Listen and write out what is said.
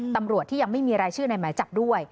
ตำรวจที่ยังไม่มีรายชื่อในหมายจับด้วย